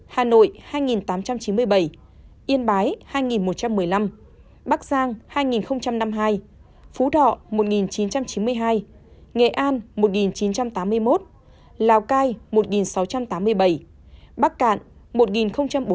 hà nội hai tám trăm chín mươi bảy yên bái hai một trăm một mươi năm bắc giang hai năm mươi hai phú đọ một chín trăm chín mươi hai nghệ an một chín trăm tám mươi một lào cai một sáu trăm tám mươi bảy bắc cạn một bốn mươi tám